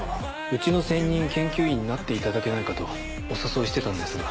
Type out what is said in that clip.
うちの専任研究員になっていただけないかとお誘いしてたんですが。